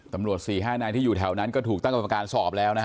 สำรวจสี่ห้านายที่อยู่แถวนั้นก็ถูกตั้งอำการสอบแล้วนะครับ